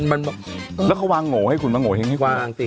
แล้วเขาวางโหลให้คุณมาโหลให้คุณวางตีน